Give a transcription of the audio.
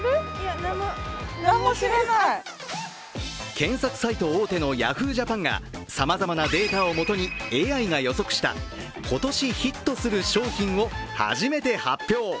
検索サイト大手のＹａｈｏｏ！ＪＡＰＡＮがさまざまなデータをもとにＡＩが予測した今年ヒットする商品を初めて発表。